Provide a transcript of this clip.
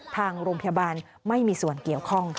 ทางโรงพยาบาลไม่มีส่วนเกี่ยวข้อง